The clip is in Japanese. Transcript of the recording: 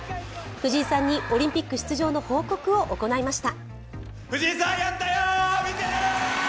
藤井さんにオリンピック出場の報告を行いました。